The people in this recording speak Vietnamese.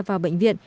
vào bệnh viện